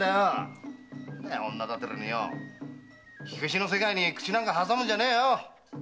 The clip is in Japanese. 女だてらに火消しの世界に口を挟むんじゃねえよ！